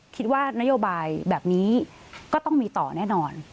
คิดว่านโยบายแบบนี้ก็ต้องมีต่อแน่นอน